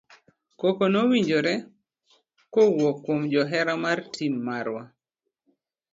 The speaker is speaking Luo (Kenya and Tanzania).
Koko nowinjore kawuok kuom johera mar tim marwa.